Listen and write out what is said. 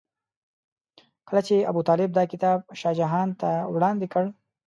کله چې ابوطالب دا کتاب شاه جهان ته وړاندې کړ.